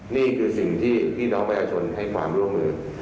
นี่คือสิ่งที่พี่น้องประชาชนให้ความร่วมมือ